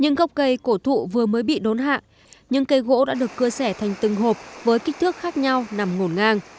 những gốc cây cổ thụ vừa mới bị đốn hạ nhưng cây gỗ đã được cưa sẻ thành từng hộp với kích thước khác nhau nằm ngổn ngang